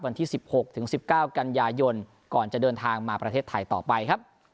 วันที่๑๖ถึง๑๙กันยายนก่อนจะเดินทางมาประเทศไทยต่อไปครับ